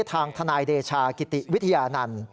ทางทนายเดชากิติวิทยานันต์